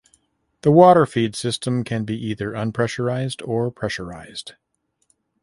The water feed system can be either unpressurized or pressurized.